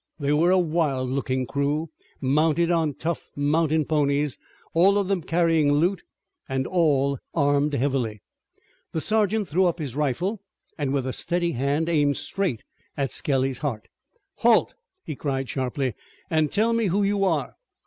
They were a wild looking crew, mounted on tough mountain ponies, all of them carrying loot, and all armed heavily. The sergeant threw up his rifle, and with a steady hand aimed straight at Skelly's heart. "Halt!" he cried sharply, "and tell me who you are!"